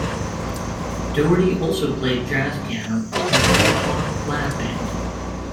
Daugherty also played jazz piano in the Two O'Clock Lab Band.